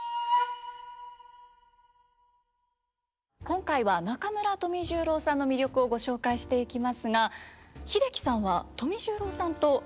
今回は中村富十郎さんの魅力をご紹介していきますが英樹さんは富十郎さんとご親交があったんですよね。